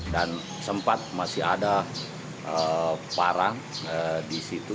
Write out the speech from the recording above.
dan sempat masih ada parang di situ